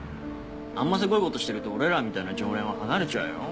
あんまセコイことしてると俺らみたいな常連は離れちゃうよ。